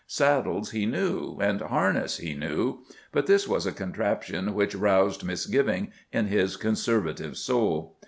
Saddles he knew, and harness he knew, but this was a contraption which roused misgivings in his conservative soul.